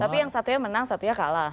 tapi yang satunya menang satunya kalah